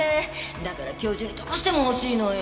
だから今日中にどうしても欲しいのよ。